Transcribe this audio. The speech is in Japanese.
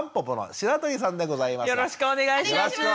よろしくお願いします。